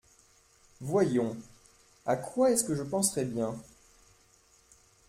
Voyons, à quoi est-ce que je penserais bien ?…